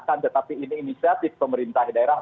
akan tetapi ini inisiatif pemerintah daerah